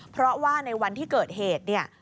เพราะว่าในวันที่เกิดเหตุเนี่ย